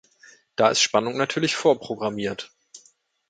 Da ist Spannung natürlich vorprogrammiert.